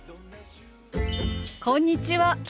こんにちは。